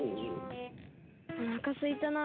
おなかすいたな。